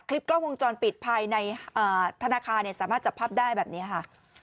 กล้องวงจรปิดภายในธนาคารสามารถจับภาพได้แบบนี้ค่ะ